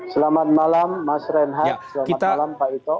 selamat malam mas renhat selamat malam pak ito